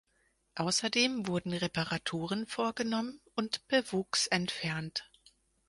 Außerdem wurden Reparaturen vorgenommen und Bewuchs entfernt.